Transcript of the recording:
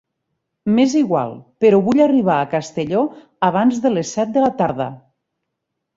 Més igual, però vull arribar a Castelló abans de les set de la tarda.